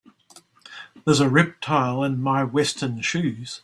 There is a reptile in my western shoes.